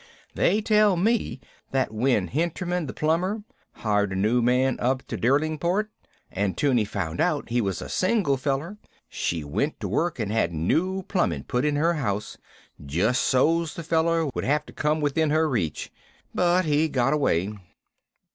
They tell me that when Hinterman, the plumber, hired a new man up to Derlingport and 'Tunie found out he was a single feller, she went to work and had new plumbing put in her house, just so's the feller would have to come within her reach. But he got away."